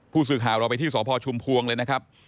ผู้สื่อข่าวเราไปที่สพชุมพวงเลยนะครับ